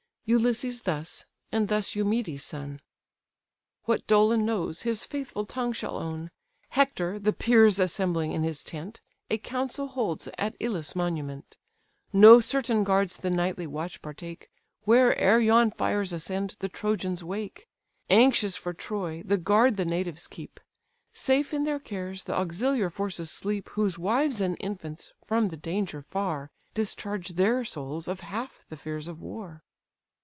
Ulysses thus, and thus Eumedes' son: "What Dolon knows, his faithful tongue shall own. Hector, the peers assembling in his tent, A council holds at Ilus' monument. No certain guards the nightly watch partake; Where'er yon fires ascend, the Trojans wake: Anxious for Troy, the guard the natives keep; Safe in their cares, the auxiliar forces sleep, Whose wives and infants, from the danger far, Discharge their souls of half the fears of war."